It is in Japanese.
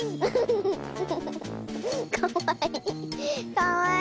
かわいい！